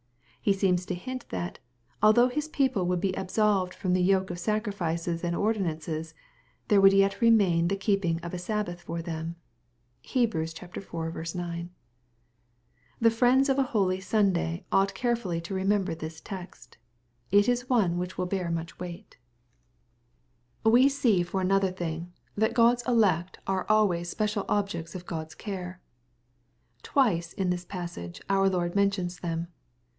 / Ho seems to hint that, although His people would be ab solved from the yoke of sacrifices and ordinances, there would yet remain the keeping of a sabbath for them. (Heb. iv. 9.)y The friends of a holy Sunday ought carefully to remember this text. It is one which will bear much weight. ^ 320 SXP08IT0BY THOUGHTS. We see for another thing, ihat OocPs elect are altvaya special olyects of Chd^a care,\ Twice in this passage our Lord mentions them.